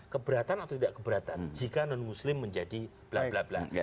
keberatan atau tidak keberatan jika non muslim menjadi bla bla bla